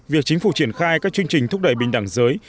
việc chính phủ triển khai các chương trình thúc đẩy bình đẳng giới